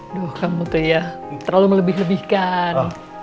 aduh kamu tuh ya terlalu melebih lebihkan